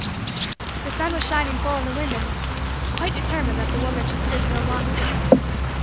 The sun was shining full in the window now; quite determined that the woman should sleep no longer.